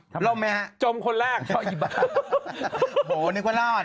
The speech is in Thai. ร่มไหมฮะจมคนแรกชอบอีบ้าโหนึกว่ารอด